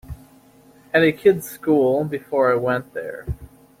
At a kid's school before I went there.